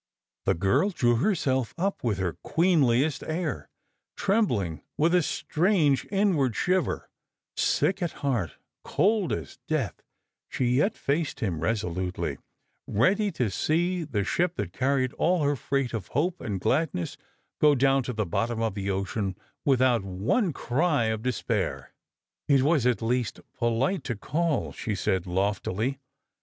'^ The girl drew herself up with her queenliest air, TremWing with a strange inward shiver, sick at heart, cold as death, she , et faced him resolutely ; ready to see the ship that carried all er freight of hope and gladness go down to the bottom of the occuu w iiliout one cry of despair. I 210 Stra.igers and Pilgriim. " It was at least polite to call," she said, loftily.